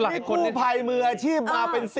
มีผู้ภายมืออาชีพมาเป็น๑๐